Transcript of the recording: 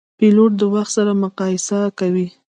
پیلوټ د وخت سره مسابقه کوي.